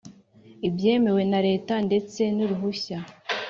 ibyemewe na leta ndetse n’uruhushya.